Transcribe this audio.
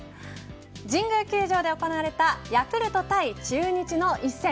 神宮球場で行われたヤクルト対中日の一戦。